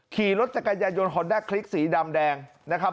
ขี่รถจักรยายนฮอนด้าคลิกสีดำแดงนะครับ